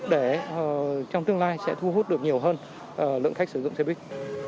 để trong tương lai sẽ thu hút được nhiều hơn lượng khách sử dụng xe buýt